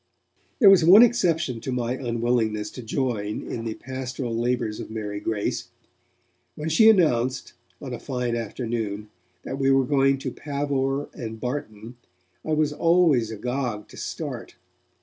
There was one exception to my unwillingness to join in the pastoral labours of Mary Grace. When she announced, on a fine afternoon, that we were going to Pavor and Barton, I was always agog to start.